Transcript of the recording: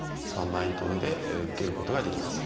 ３万円ほどで受けることができます。